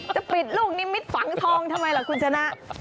จะปิดลูกนิมิตฝังทองทำไมล่ะคุณชนะ